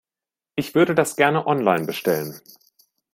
Ich würde das gerne online bestellen.